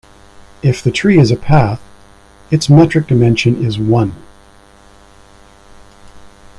If the tree is a path, its metric dimension is one.